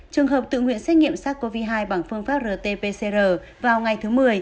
trường hợp tự nguyện xét nghiệm sars cov hai bằng phương pháp rt pcr vào ngày thứ một mươi